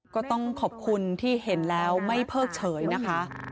ก็ต้องขอบคุณที่เห็นแล้วไม่เพิกเฉยนะคะ